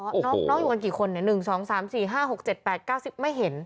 น้องอยู่กันกี่คน๑๒๓๔๕๖๗๘๙๐ไม่เห็น